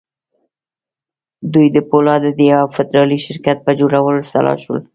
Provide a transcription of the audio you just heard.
دوی د پولادو د یوه فدرالي شرکت پر جوړولو سلا شول